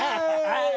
はい！